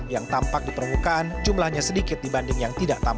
yang tampak di permukaan jumlahnya sedikit dibanding yang lain